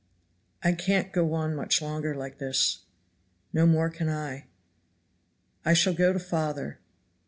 "I can't go on much longer like this." "No more can I." "I shall go to father."